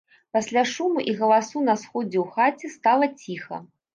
Пасля шуму і галасу на сходзе ў хаце стала ціха.